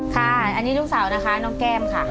ค่ะอันนี้ลูกสาวนะคะน้องแก้มค่ะ